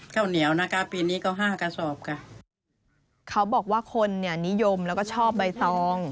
ข้าวเหนียวนะคะปีนี้ก็ห้ากระสอบค่ะเขาบอกว่าคนเนี่ยนิยมแล้วก็ชอบใบตอง